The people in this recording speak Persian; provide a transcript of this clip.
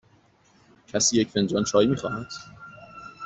کسی یک فنجان چای می خواهد؟